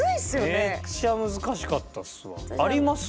めっちゃ難しかったっすわ。あります？